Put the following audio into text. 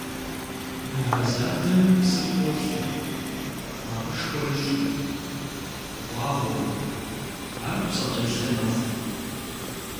Мывэ задэм псыр къолъэ, макъышхуэ ищӀу, гъуагъуэу, ар псыкъелъэ мэхъу.